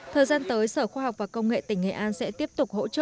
thời gian tới sở khoa học và công nghệ tỉnh nghệ an sẽ tiếp tục hỗ trợ